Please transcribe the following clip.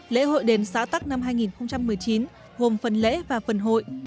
lễ hội đền xã tắc năm hai nghìn một mươi chín gồm phần lễ và phần hội